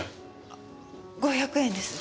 あ５００円です。